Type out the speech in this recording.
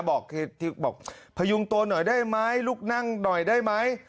บอกพยุงตัวหน่อยได้ไหมลูกนั่งหน่อยได้ไหม